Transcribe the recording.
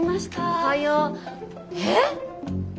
おはようえっ！？